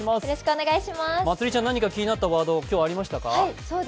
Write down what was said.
まつりちゃん、何か気になったワードありましたか？